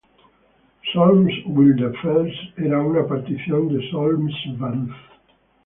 Solms-Wildenfels era una partición de Solms-Baruth.